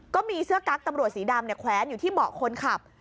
ก็มีเสื้อกั๊กตำรวจสีดำแขวนอยู่ที่เบาะคนขับ